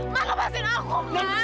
man lepasin aku man